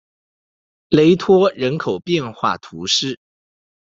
雷托人口变化图示